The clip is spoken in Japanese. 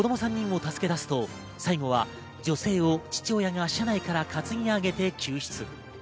子供３人を助け出すと、最後は女性を父親が車内から担ぎ上げて救出。